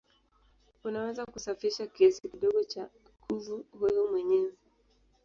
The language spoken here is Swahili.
Unaweza kusafisha kiasi kidogo cha kuvu wewe mwenyewe.